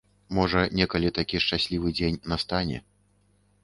Можа, некалі такі шчаслівы дзень настане.